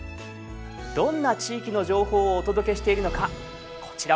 どんな地域の情報をお届けしているのかこちらをご覧下さい。